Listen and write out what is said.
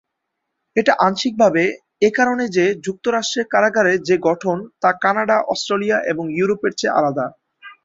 এটা আংশিকভাবে একারণে যে, যুক্তরাষ্ট্রের কারাগারের যে গঠন, তা কানাডা, অস্ট্রেলিয়া এবং ইউরোপের চেয়ে আলাদা।